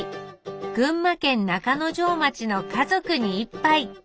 群馬県中之条町の「家族に一杯」